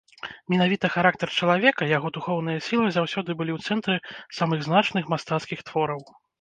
Менавіта характар чалавека, яго духоўныя сілы заўсёды былі ў цэнтры самых значных мастацкіх твораў.